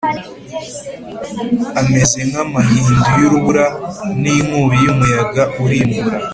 ameze nk’amahindu y’urubura n’inkubi y’umuyaga urimbura,